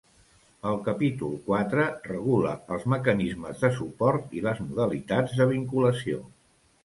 El capítol quatre regula els mecanismes de suport i les modalitats de vinculació.